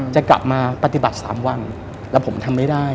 จะกลับมาปฏิบัติ๓วันแล้วผมทำไม่ได้